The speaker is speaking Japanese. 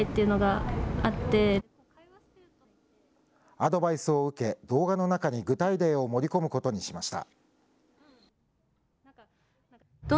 アドバイスを受け、動画の中に具体例を盛り込むことにしました。